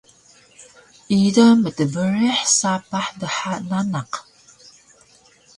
ida mtbrih sapah dha nanaq